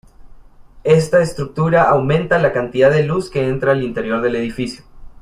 Esta estructura aumenta la cantidad de luz que entra al interior del edificio.